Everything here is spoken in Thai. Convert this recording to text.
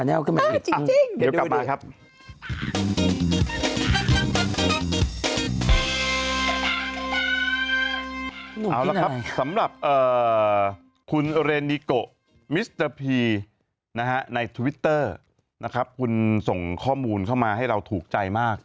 ในทวิตเตอร์นะครับคุณส่งข้อมูลเข้ามาให้เราถูกใจมาก